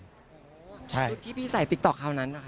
โอ้โฮชุดที่พี่ใส่ติ๊กต๊อกคราวนั้นเหรอคะ